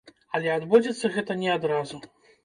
Але адбудзецца гэта не адразу.